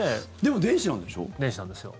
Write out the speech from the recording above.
電子なんですよ。